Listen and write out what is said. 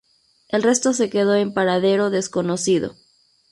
El resto se quedó en paradero desconocido.